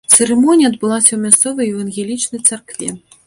Цырымонія адбылася ў мясцовай евангелічнай царкве.